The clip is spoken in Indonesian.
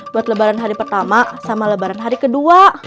buat lebaran hari pertama sama lebaran hari kedua